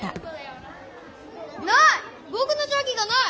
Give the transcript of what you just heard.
ない！